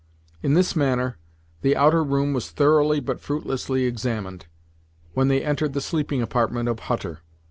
In this manner the outer room was thoroughly but fruitlessly examined, when they entered the sleeping apartment of Hutter.